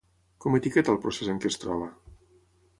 Com etiqueta el procés en què es troba?